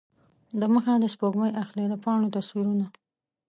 دمخه د سپوږمۍ اخلي د پاڼو تصویرونه